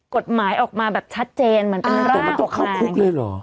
กฎหมายออกมาแบบชัดเจนเหมือนเป็นร่างส่งมาต้องเข้าคุกเลยเหรอ